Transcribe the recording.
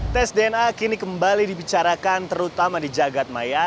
tes dna kini kembali dibicarakan terutama di jagadmaya